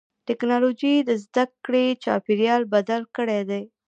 ټکنالوجي د زدهکړې چاپېریال بدل کړی دی.